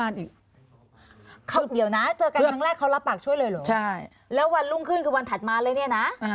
แล้ววันรุ่งขึ้นคือวันถัดมาเลยนะ